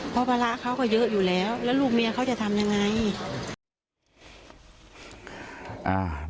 เพราะภาระเขาก็เยอะอยู่แล้วแล้วลูกเมียเขาจะทำยังไง